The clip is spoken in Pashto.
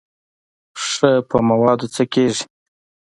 ښه په موادو څه کېږي.